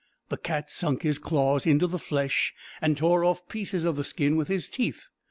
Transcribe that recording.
The cat sunk his rails into the flesh, and tore off pieces of the skin with his teeth.